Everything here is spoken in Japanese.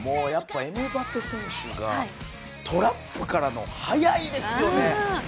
エムバペ選手がトラップから速いですよね。